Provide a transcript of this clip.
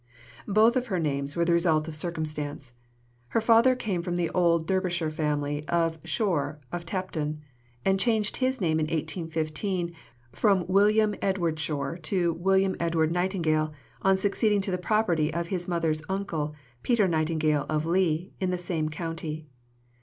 Both of her names were the result of circumstance. Her father came of the old Derbyshire family of Shore of Tapton, and changed his name in 1815 from William Edward Shore to William Edward Nightingale on succeeding to the property of his mother's uncle, Peter Nightingale of Lea, in the same county.